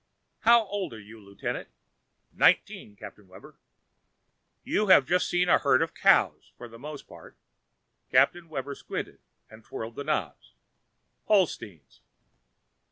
"How old are you, Lieutenant?" "Nineteen, Captain Webber." "You have just seen a herd of cows, for the most part " Captain Webber squinted and twirled knobs " Holsteins."